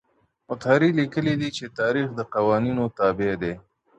مطهري ليکلي دي چي تاريخ د قوانينو تابع دی.